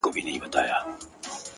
ښايستو کي خيالوري پيدا کيږي;